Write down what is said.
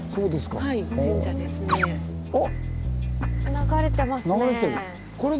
流れてますね。